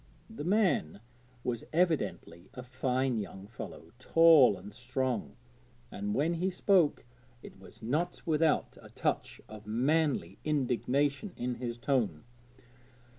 The man was evidently a fine young fellow, tall and strong, and when he spoke it was not without a touch of manly indignation in his tone.